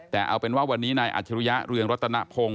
แต่เอาเป็นว่าวันนี้นายอัจฉริยะเรืองรัตนพงศ์